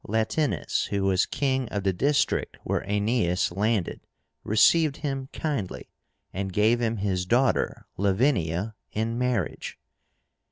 LATÍNUS, who was king of the district where Aenéas landed, received him kindly, and gave him his daughter, LAVINIA, in marriage.